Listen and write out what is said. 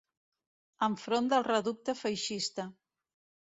Enfront del reducte feixista